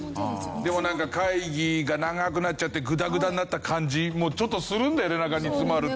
でもなんか会議が長くなっちゃってグダグダになった感じもちょっとするんだよねなんか「煮詰まる」って。